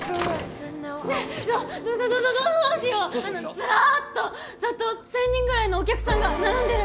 ズラーッとザッと１０００人ぐらいのお客さんが並んでる！